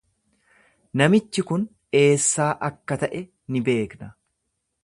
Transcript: Namichi kun eessaa akka ta’e ni beekna.